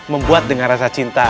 membuat dengan rasa cinta